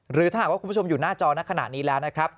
หรือถ้าหากว่าคุณผู้ชมอยู่หน้าจอในขณะนี้แล้วนะครับ